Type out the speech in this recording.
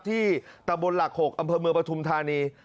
ที่ตำรวจหลัก๖อำเภอเมืองปทุมธานี